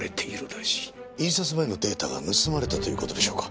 印刷前のデータが盗まれたという事でしょうか？